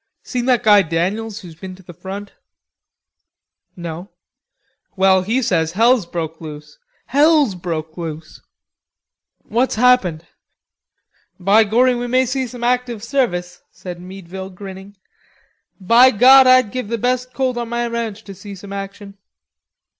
"Seen that guy Daniels who's been to the front?" "No." "Well, he says hell's broke loose. Hell's broke loose!" "What's happened?... Be gorry, we may see some active service," said Meadville, grinning. "By God, I'd give the best colt on my ranch to see some action."